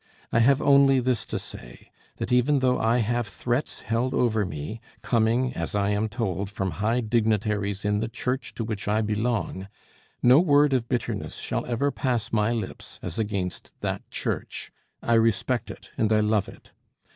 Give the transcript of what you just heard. I have only this to say, that even though I have threats held over me, coming, as I am told, from high dignitaries in the Church to which I belong, no word of bitterness shall ever pass my lips as against that Church. I respect it and I love it.